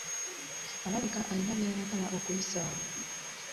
Alabika alina by'ayagala okuyisaawo.